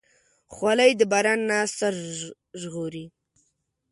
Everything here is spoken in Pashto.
خولۍ د باران نه سر ژغوري.